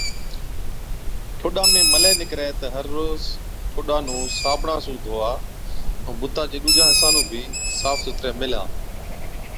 ٺوڏا ۾ ملَي نِڪرَي تہ هر روز ٺوڏا نُون صابڻا سُون ڌووا ائُون بُتا چي ڏُوجان حِصان نُون بِي صاف سُٿرَي ميلها۔